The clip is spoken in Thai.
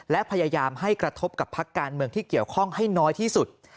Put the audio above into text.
และพยายามให้กระทบกับพักการเมืองที่เกี่ยวข้องให้น้อยที่สุด